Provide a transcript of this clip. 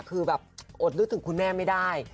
คือแบบอดนึกถึงคุณแม่ไม่ได้